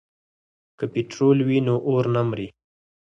که پټرول وي نو اور نه مري.